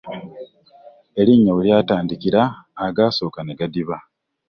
Erinnya we lyatandikira, agaasooka ne gadiba.